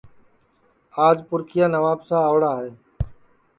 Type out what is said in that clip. آج پُرکھِیا نوابسا آؤڑا ہے